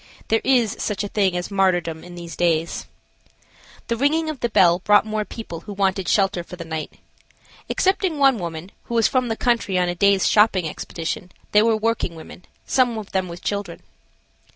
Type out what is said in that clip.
There is such a thing as martyrdom in these days. The ringing of the bell brought more people who wanted shelter for the night. Excepting one woman, who was from the country on a day's shopping expedition, they were working women, some of them with children.